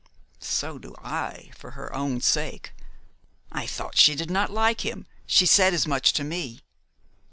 "So do I for her own sake. I thought she did not like him. She said as much to me."